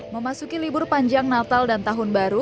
memasuki libur panjang natal dan tahun baru